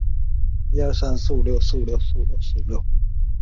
倒车镜头一般会连结并显示在车头显示器上。